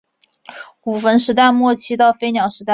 古坟时代末期到飞鸟时代皇族。